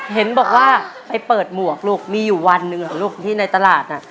เห็นบอกว่าไปเปิดหมวกลูกมีอยู่วันหนึ่งเหรอลูกที่ในตลาดน่ะ